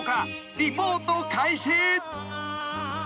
［リポート開始］